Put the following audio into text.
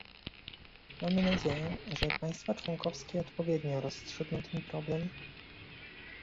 Mamy nadzieję, że państwa członkowskie odpowiednio rozstrzygną ten problem